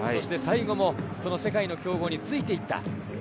最後も世界の強豪についていった。